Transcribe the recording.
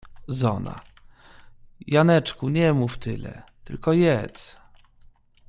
Zona: — Janeczku, nie mów tyle, tylko jedz.